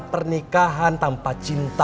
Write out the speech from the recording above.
pernikahan tanpa cinta